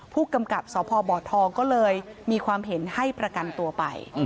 ผู้กำกับสพบทองก็เลยมีความเห็นให้ประกันตัวไป